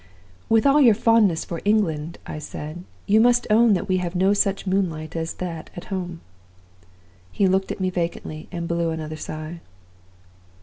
"'With all your fondness for England,' I said, 'you must own that we have no such moonlight as that at home.' "He looked at me vacantly, and blew another sigh.